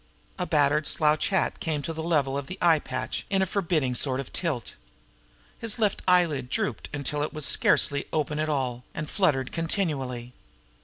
A battered slouch hat came to the level of the eye patch in a forbidding sort of tilt. His left eyelid drooped until it was scarcely open at all, and fluttered continually.